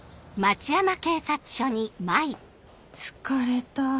疲れた